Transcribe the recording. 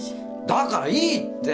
だからいいって！